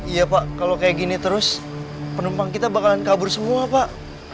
iya pak kalau kayak gini terus penumpang kita bakalan kabur semua pak